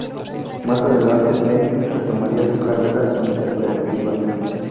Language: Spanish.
Más adelante Penn retomaría su carrera interpretativa.